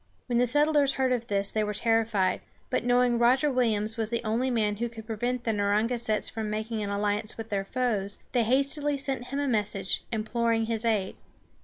When the settlers heard of this, they were terrified. But knowing Roger Williams was the only man who could prevent the Narragansetts from making an alliance with their foes, they hastily sent him a message, imploring his aid.